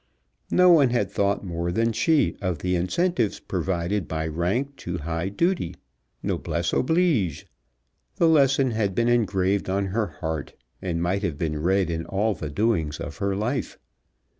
No one had thought more than she of the incentives provided by rank to high duty. "Noblesse oblige." The lesson had been engraved on her heart, and might have been read in all the doings of her life.